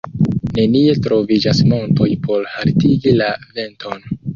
Nenie troviĝas montoj por haltigi la venton.